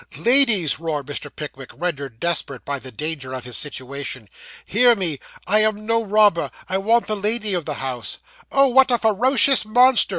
'Ladies,' roared Mr. Pickwick, rendered desperate by the danger of his situation. 'Hear me. I am no robber. I want the lady of the house.' 'Oh, what a ferocious monster!